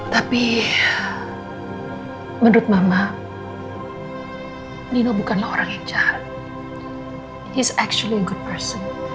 tapi menurut mama nino bukanlah orang yang jahat dia sebenarnya orang yang baik